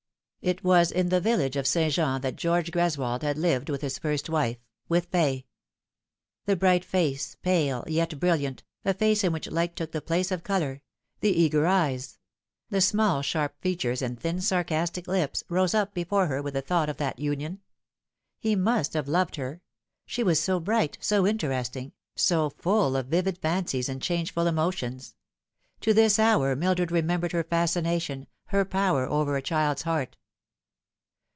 It was in the village of St. Jean that George Gres wold had lived with his first wife with Fay. The bright face^ pale, yet brilliant, a face in which light took the place of colour; the eager eyes ; the small sharp features and thin sarcastic lips, rose up before her with the thought of that union. He must have loved her. She was so bright, so interesting, so full of vivid fancies and changeful emotions. To this hour Mildred remembered her fascination, her power over a child's heart.